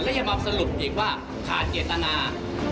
แล้วยังมาสรุปอีกว่าขาดเจตนา